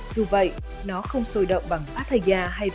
dù vậy nó không sôi động